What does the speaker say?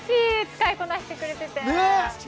使いこなしてくれてて。